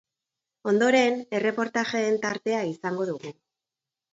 Ondoren, erreportajeen tartea izango dugu.